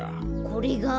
これが？